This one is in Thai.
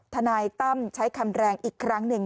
ทนายตั้มใช้คำแรงอีกครั้งหนึ่ง